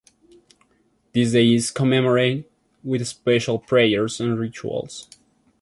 This day is commemorated with special prayers and rituals.